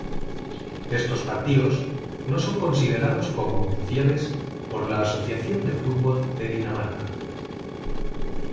Estos partidos no son considerados como oficiales por la Asociación de Fútbol de Dinamarca.